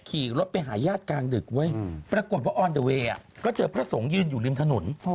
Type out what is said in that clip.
ขี่รถไปหาญาติกลางดึกเว้ยปรากฏว่าออนเดอร์เวย์ก็เจอพระสงฆ์ยืนอยู่ริมถนน